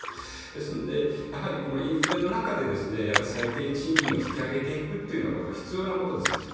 ですので、このインフラの中で最低賃金を引き上げていくということは必要なことです。